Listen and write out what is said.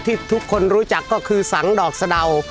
ที่ทุกคนรู้จักก็คือสังดอกสะดาว